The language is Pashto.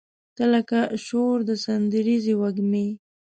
تۀ لکه شور د سندریزې وږمې